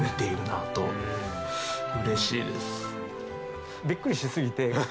うれしいです。